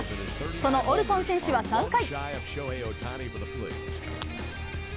そのオルソン選手は３回。